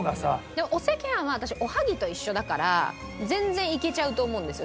でもお赤飯は私おはぎと一緒だから全然いけちゃうと思うんですよ